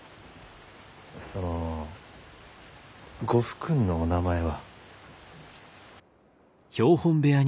そのご夫君のお名前は？